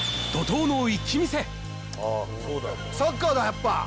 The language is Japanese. サッカーだ、やっぱ。